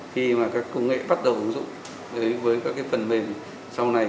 khi mà các công nghệ bắt đầu ứng dụng với các phần mềm sau này